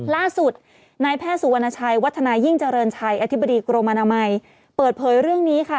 ล่าสุดนายแพทย์สุวรรณชัยวัฒนายิ่งเจริญชัยอธิบดีกรมอนามัยเปิดเผยเรื่องนี้ค่ะ